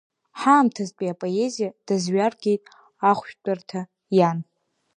Ҳаамҭазтәи апоезиа дазҩаргеит ахәшәтәырҭа, иан!